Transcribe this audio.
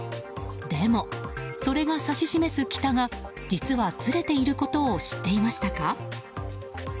でも、それが指し示す北が実はずれていることを知っていましたか？